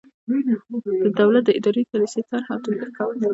د دولت د اداري پالیسۍ طرح او تطبیق کول.